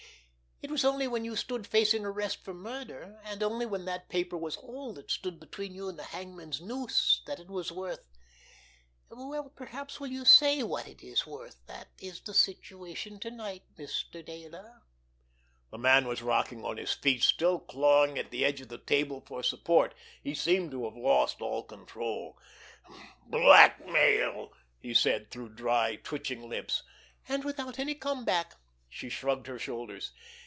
It was only when you stood facing arrest for murder, and only when that paper was all that stood between you and the hangman's noose, that it was worth—well, perhaps you will say what it is worth? That is the situation to night, Mr. Dayler." The man was rocking on his feet, still clawing at the edge of the table for support. He seemed to have lost all self control. "Blackmail!" he said, through dry, twitching lips. "And without any come back!" She shrugged her shoulders.